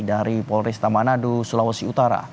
dari polres tamanado sulawesi utara